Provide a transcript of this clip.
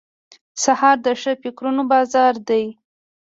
سهار د ښه فکرونو بازار دی.